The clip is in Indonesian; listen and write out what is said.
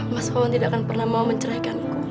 mas kawan tidak akan pernah mau menceraikanku